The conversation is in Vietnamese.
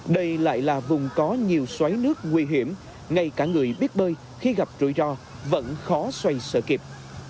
đây lại là vùng có nhiều xoáy nước nguy hiểm ngay cả người biết bơi khi gặp rủi ro vẫn khó xoay sở kịp